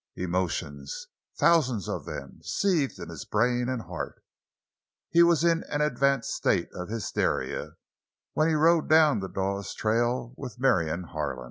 Emotions—thousands of them seethed in his brain and heart. He was in an advanced state of hysteria when he rode down the Dawes trail with Marion Harlan.